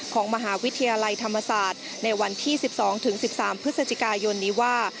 ของมหาวิทยาลัยธรรมศาสตร์ในวันที่๑๒๑๓พฤศจิกายนนี้ว่า